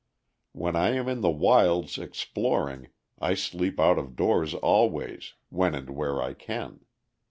When I am in the wilds exploring, I sleep out of doors always, when and where I can.